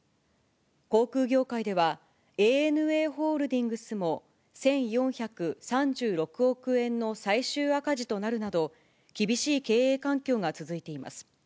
航空業界では、ＡＮＡホールディングスも、１４３６億円の最終赤字となるなど、厳しい経営環境が続いています。